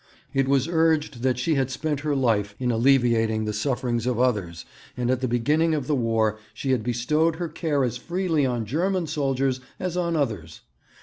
It was urged that she had spent her life in alleviating the sufferings of others, and at the beginning of the War she had bestowed her care as freely on German soldiers as on others.